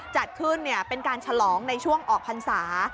จัดขึ้นเป็นการฉลองในช่วงออกพรรษา